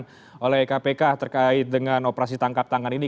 apakah ini sudah terjadi oleh kpk terkait dengan operasi tangkap tangan ini